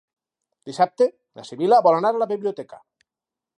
Dissabte na Sibil·la vol anar a la biblioteca.